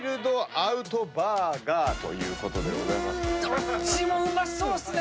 どっちもうまそうっすね。